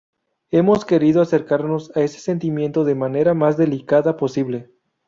Hemos querido acercarnos a ese sentimiento de la manera más delicada posible.